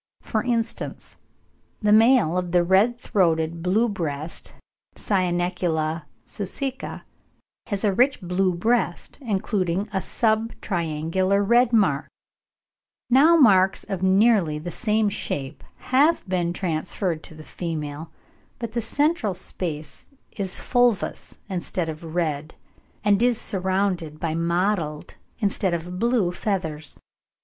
For instance, the male of the red throated blue breast (Cyanecula suecica) has a rich blue breast, including a sub triangular red mark; now marks of nearly the same shape have been transferred to the female, but the central space is fulvous instead of red, and is surrounded by mottled instead of blue feathers.